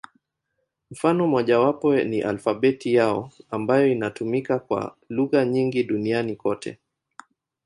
Mfano mmojawapo ni alfabeti yao, ambayo inatumika kwa lugha nyingi duniani kote.